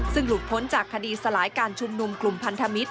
ซึ่งหลุดพ้นจากคดีสลายการชุมนุมกลุ่มพันธมิตร